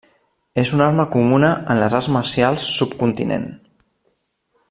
És una arma comuna en les arts marcials subcontinent.